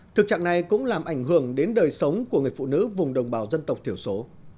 thực trạng này cũng làm ảnh hưởng đến đời sống của người phụ nữ vùng đồng bào dân tộc thiểu số